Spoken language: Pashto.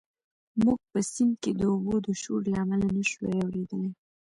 موږ په سیند کې د اوبو د شور له امله نه شوای اورېدلی.